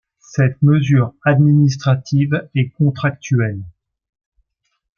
Cette mesure administrative est contractuelle.